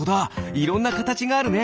いろんなかたちがあるね。